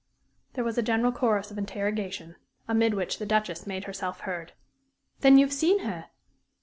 There was a general chorus of interrogation, amid which the Duchess made herself heard. "Then you've seen her?"